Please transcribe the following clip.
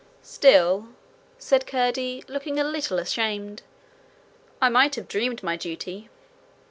'Still,' said Curdie, looking a little ashamed, 'I might have dreamed my duty.'